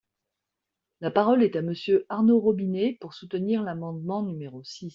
La parole est à Monsieur Arnaud Robinet, pour soutenir l’amendement numéro six.